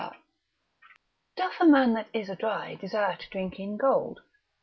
——— Doth a man that is adry desire to drink in gold?